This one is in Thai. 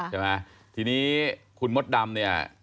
ใช่ไหมทีนี้คุณมดดำเนี่ย